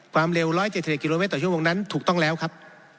ความเร็ว๑๗๑กิโลเมตรต่อชั่วโมงนั้นถูกต้องแล้วครับ